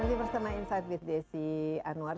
masih bersama insight with desi anwar